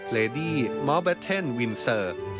เรดี้มอลเบทเทนวินเซอร์